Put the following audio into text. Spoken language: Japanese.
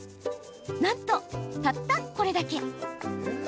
なんと、たったこれだけ。